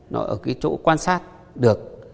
nó ở cái chỗ quan sát được